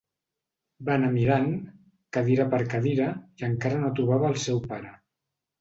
Va anar mirant, cadira per cadira, i encara no trobava el seu pare.